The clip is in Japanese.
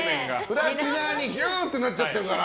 プラチナにぎゅーってなっちゃってるから。